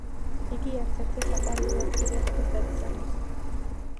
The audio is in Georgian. იგი ერთ-ერთი საყვარელი ადგილია ტურისტებისათვის.